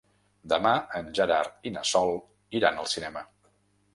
Demà en Gerard i na Sol iran al cinema.